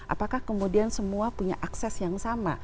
apakah kemudian semua punya akses yang sama